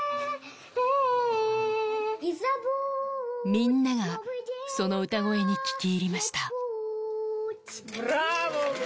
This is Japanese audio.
みんながその歌声に聴き入りました。